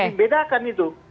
harus dibedakan itu